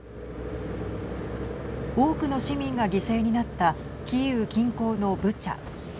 多くの市民が犠牲になったキーウ近郊のブチャ。